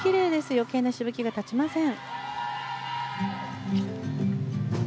余計なしぶきが立ちません。